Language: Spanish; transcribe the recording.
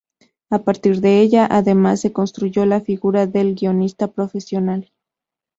A partir de ella, además, se constituyó la figura del guionista profesional.